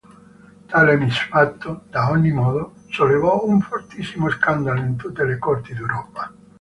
Tale misfatto, ad ogni modo, sollevò un fortissimo scandalo in tutte le corti d'Europa.